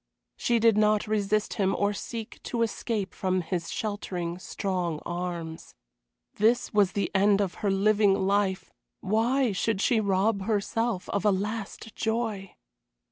She did not resist him or seek to escape from his sheltering, strong arms. This was the end of her living life, why should she rob herself of a last joy?